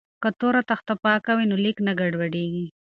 که تور تخته پاکه وي نو لیک نه ګډوډیږي.